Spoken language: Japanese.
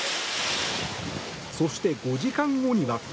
そして、５時間後には。